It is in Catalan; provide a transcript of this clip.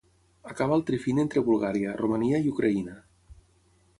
Acaba al trifini entre Bulgària, Romania i Ucraïna.